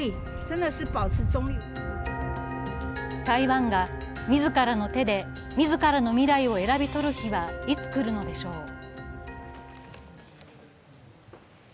台湾がみずからの手でみずからの未来を選び取る日はいつ来るのでしょう。